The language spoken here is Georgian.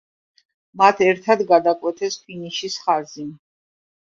მათ ერთდ გადაკვეთეს ფინიშის ხაზი.